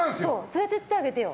連れてってあげてよ。